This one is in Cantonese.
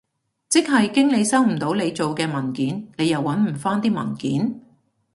即係經理收唔到你做嘅文件，你又搵唔返啲文件？